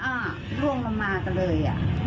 อ๋อร่วงลงมาก็เลย